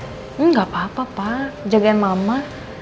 gak apa apa pak jagain mama